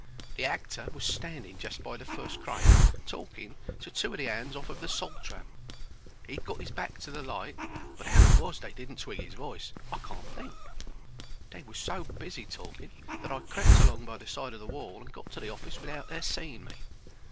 The actor was standing just by the fust crane talking to two of the hands off of the Saltram. He'd got 'is back to the light, but 'ow it was they didn't twig his voice I can't think. They was so busy talking that I crept along by the side of the wall and got to the office without their seeing me.